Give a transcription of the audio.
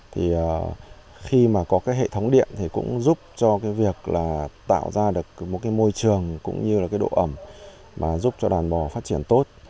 thì khi mà có cái hệ thống điện thì cũng giúp cho cái việc là tạo ra được một cái môi trường cũng như là cái độ ẩm mà giúp cho đàn bò phát triển tốt